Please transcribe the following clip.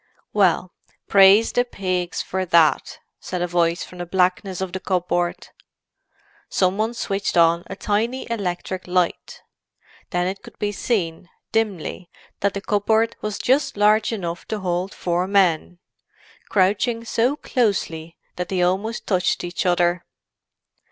"Well, praise the pigs for that," said a voice from the blackness of the cupboard. Some one switched on a tiny electric light. Then it could be seen, dimly, that the cupboard was just large enough to hold four men, crouching so closely that they almost touched each other.